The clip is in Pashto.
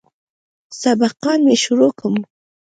سبقان مې شروع کم.